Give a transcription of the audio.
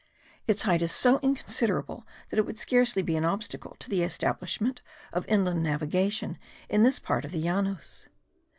Its height is so inconsiderable that it would scarcely be an obstacle to the establishment of inland navigation in this part of the Llanos.